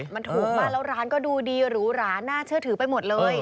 มันถูกมากแล้วร้านก็ดูดีหรูหราน่าเชื่อถือไปหมดเลย